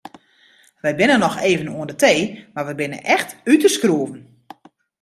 We binne noch even oan de tee mar we binne echt út de skroeven.